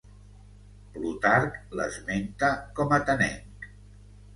Plutarc l'esmenta com atenenc.